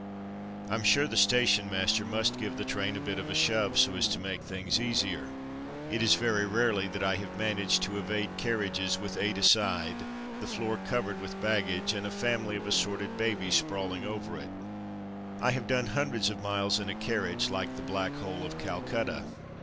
Fm sure the station master must give the train a bit of a shove so as to make things easier. It is very rarely that I have man aged to evade carriages with eight a side, the floor covered with baggage, and a family of assorted babies sprawling over it. I have done hundreds of miles in a car riage like the Black Hole of Calcutta.